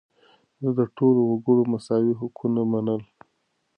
ده د ټولو وګړو مساوي حقونه منل.